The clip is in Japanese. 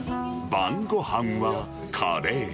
晩ごはんはカレー。